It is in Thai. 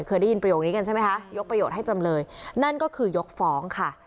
เคยได้ยินประโยคนี้กันใช่ไหมคะยกประโยชน์ให้จำเลยนั่นก็คือยกฟ้องค่ะ